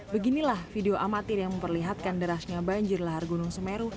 beginilah video amatir yang memperlihatkan derasnya banjir lahar gunung semeru